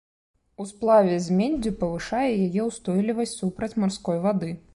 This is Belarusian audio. У сплаве з меддзю павышае яе ўстойлівасць супраць марской вады.